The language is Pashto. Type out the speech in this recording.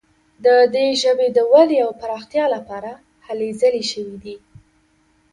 د دې ژبې د ودې او پراختیا لپاره هلې ځلې شوي دي.